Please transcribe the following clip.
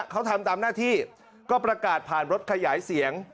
เขาทำตามหน้าที่ก็ประกาศผ่านรถขยายเสียง